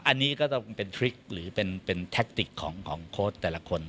อันนี้ก็ต้องเป็นทริคหรือเป็นแท็กติกของโค้ชแต่ละคน